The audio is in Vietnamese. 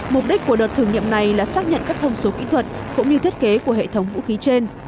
mục đích của đợt thử nghiệm này là xác nhận các thông số kỹ thuật cũng như thiết kế của hệ thống vũ khí trên